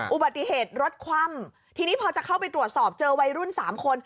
อุบัติเหตุรถคว่ำทีนี้พอจะเข้าไปตรวจสอบเจอวัยรุ่นสามคน